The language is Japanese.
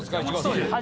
そうです。